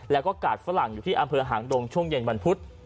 แล้วก็กาดฝรั่งอยู่ที่อำเภอหางดงช่วงเย็นวันพุธ